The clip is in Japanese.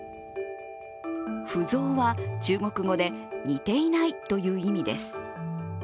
不像は中国語で似ていないという意味です。